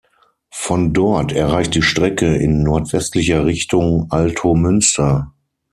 Von dort erreicht die Strecke in nordwestlicher Richtung Altomünster.